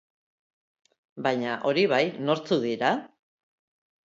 Baina hori bai, nortzuk dira?